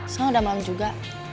soalnya udah malem juga